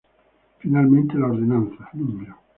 Finalmente, la Ordenanza No.